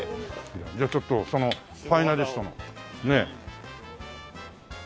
じゃあちょっとそのファイナリストのねえ。